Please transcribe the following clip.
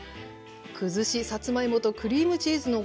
「くずしさつまいもとクリームチーズのご飯」。